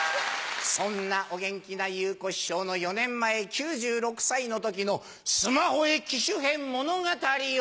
そんなお元気な祐子師匠の４年前９６歳の時のスマホへ機種変物語を。